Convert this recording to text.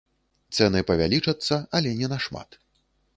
Цэны павялічацца, але не на шмат.